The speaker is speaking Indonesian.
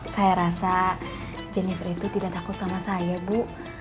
saya rasa jennifer itu tidak takut sama saya bu